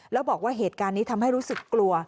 แล้วบอกว่าเหตุการณ์นี้ทำให้รู้สึกกลัว